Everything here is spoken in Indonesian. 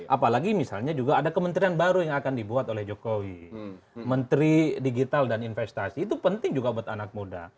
apalagi misalnya juga ada kementerian baru yang akan dibuat oleh jokowi menteri digital dan investasi itu penting juga buat anak muda